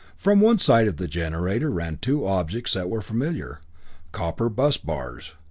From one side of the generator, ran two objects that were familiar, copper bus bars.